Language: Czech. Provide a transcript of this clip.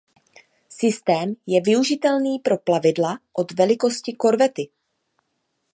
Systém je využitelný pro plavidla od velikosti korvety.